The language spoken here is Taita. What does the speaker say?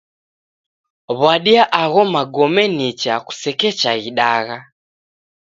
W'adia agho magome nicha kusekecha ghidagha.